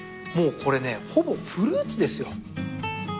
もうこれねほぼフルーツですよ。